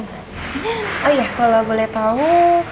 oh iya kalau boleh tau